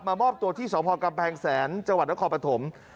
มามอบตัวที่สพกำแพงแสนจคปฐม